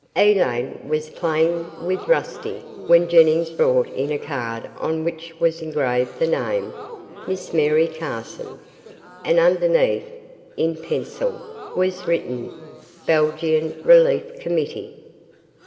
Elaine was playing with "Rusty" when Jennings brought in a card on which was engraved the name, "Miss Mary Carson," and underneath, in pencil, was written "Belgian Relief Committee."